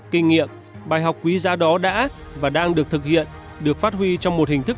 kinh nghiệm bài học quý giá đó đã và đang được thực hiện được phát huy trong một hình thức